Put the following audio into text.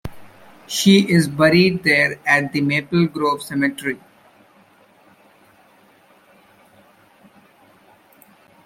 She is buried there at the Maple Grove Cemetery.